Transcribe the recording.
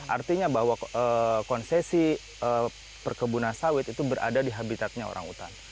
artinya bahwa konsesi perkebunan sawit itu berada di habitatnya orang utan